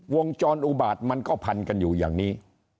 วงจรอุบาตมันก็พันกันอยู่อย่างนี้